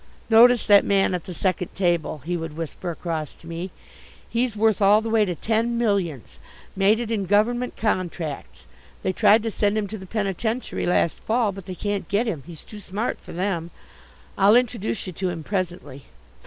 "Notice that man at the second table," he would whisper across to me. "He's worth all the way to ten millions: made it in Government contracts; they tried to send him to the penitentiary last fall but they can't get him he's too smart for them! I'll introduce you to him presently.